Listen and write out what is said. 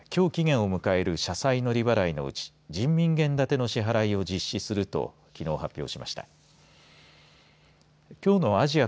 大グループはきょう期限を迎える社債の利払いのうち人民元建ての支払いを実施するときのう発表しました。